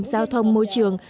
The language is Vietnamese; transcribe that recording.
giao thông môi trường